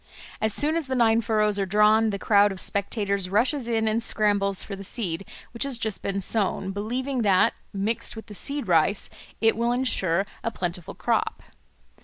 As soon as the nine furrows are drawn, the crowd of spectators rushes in and scrambles for the seed which has just been sown, believing that, mixed with the seed rice, it will ensure a plentiful crop.